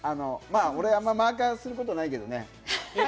俺、あんまマーカーすることないけどね。